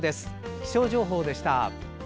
気象情報でした。